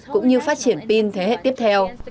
cũng như phát triển pin thế hệ tiếp theo